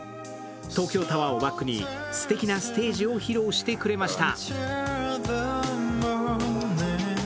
東京タワーをバックに、すてきなステージを披露してくれました。